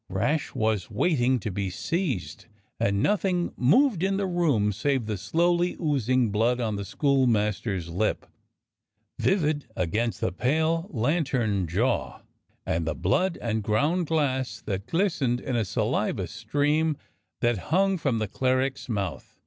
Rash was waiting to be seized, and nothing moved in the room save the slowly oozing blood on the schoolmaster's lipj vivid against the pale lantern jaw, and the blood and ground glass that glistened in a saliva stream that hung from the cleric's mouth.